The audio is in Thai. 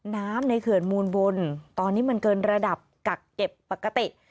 น้ำในเขื่อนมูลบนตอนนี้มันเกินระดับกักเก็บปกติ